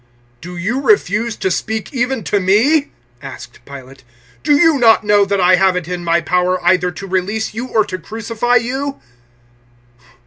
019:010 "Do you refuse to speak even to me?" asked Pilate; "do you not know that I have it in my power either to release you or to crucify you?"